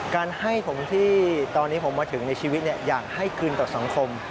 การให้ผมที่ตอนนี้ผมมาถึงในชีวิตอยากให้คืนต่อสังคม